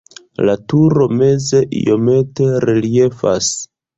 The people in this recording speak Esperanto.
La turo meze iomete reliefas.